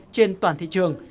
trên toàn thị trường